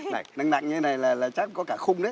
này nó nặng như thế này là chắc có cả khung đấy